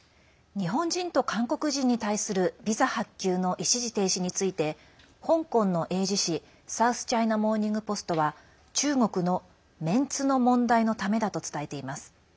日本人と韓国人に対するビザ発給の一時停止について香港の英字紙、サウスチャイナ・モーニングポストは中国のメンツの問題のためだと伝えています。